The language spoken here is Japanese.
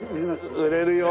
売れるよ。